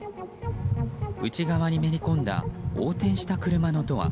内側にめり込んだ横転した車のドア。